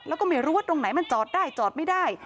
แล้วก็ไม่รู้ว่าตรงไหนมันจอดได้จอดไม่ได้